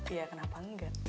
ya kenapa engga